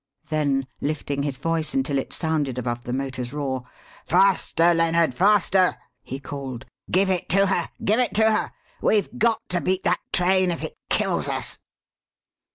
Then, lifting his voice until it sounded above the motor's roar, "Faster, Lennard, faster!" he called. "Give it to her! give it to her! We've got to beat that train if it kills us!"